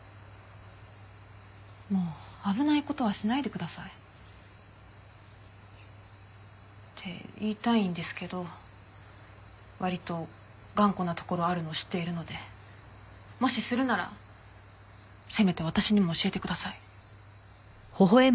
もう危ない事はしないでください。って言いたいんですけど割と頑固なところあるの知っているのでもしするならせめて私にも教えてください。